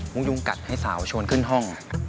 ยุ่งกัดให้สาวชวนขึ้นห้อง